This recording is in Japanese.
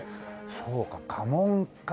そうか家紋か。